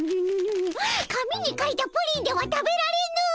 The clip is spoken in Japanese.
紙に書いたプリンでは食べられぬ！